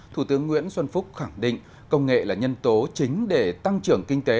thủ tướng nguyễn xuân phúc khẳng định công nghệ là nhân tố chính để tăng trưởng kinh tế